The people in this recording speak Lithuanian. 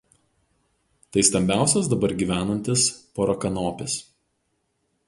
Tai stambiausias dabar gyvenantis porakanopis.